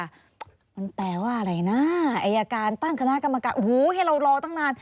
มันแปลว่าอะไรนะอายการตั้งคณะกรรมการโอ้โหให้เรารอตั้งนาน